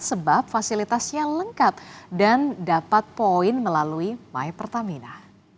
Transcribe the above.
sebab fasilitasnya lengkap dan dapat poin melalui my pertamina